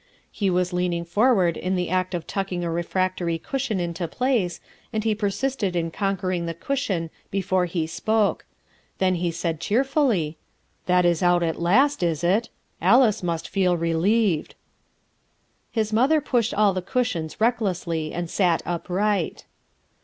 He was leaning forward in the act of tucking a refractor} cushion into place, and he persisted in conquering the cushion before he spoke. Then he Eaid cheer fully: "That b out at last, is it? Alice must feel relieved." His mother pushed all the cushions recklessly and sat upright.